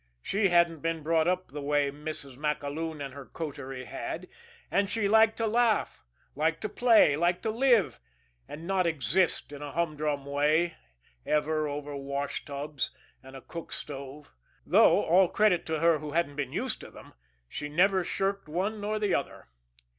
She hadn't been brought up the way Mrs. MacAloon and her coterie had, and she liked to laugh, liked to play, liked to live, and not exist in a humdrum way ever over washtubs and a cook stove though, all credit to her who hadn't been used to them, she never shirked one nor the other.